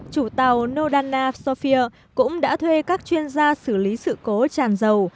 chủ tàu nodana sofia cũng đã thuê các chuyên gia xử lý sự cố tràn dầu